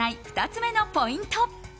２つ目のポイント。